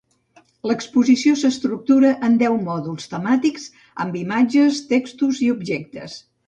L'exposició s'estructura en deu mòduls temàtics amb imatges, textos i objectes.